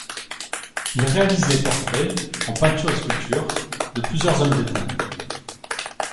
Il réalise les portraits - en peinture et sculpture - de plusieurs hommes d'État.